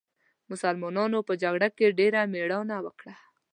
مسلمانانو په جګړه کې ډېره مېړانه وکړه.